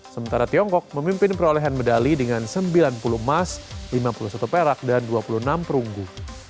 sementara tiongkok memimpin perolehan medali dengan sembilan puluh emas lima puluh satu perak dan dua puluh enam perunggu